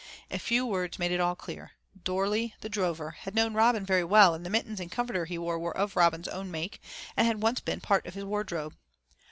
A few words made it all clear. Dorley, the drover, had known Robin very well, and the mittens and comforter he wore were of Robin's own make and had once been part of his wardrobe.